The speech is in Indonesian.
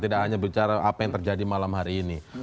tidak hanya bicara apa yang terjadi malam hari ini